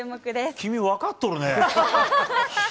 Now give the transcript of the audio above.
君、分かっとるね。